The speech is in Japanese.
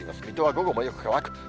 水戸は午後もよく乾く。